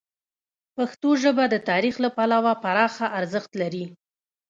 پښتو ژبه د تاریخ له پلوه پراخه ارزښت لري.